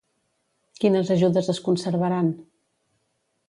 Quines ajudes es conservaran?